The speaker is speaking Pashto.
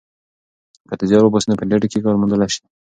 که ته زیار وباسې نو په انټرنیټ کې کار موندلی سې.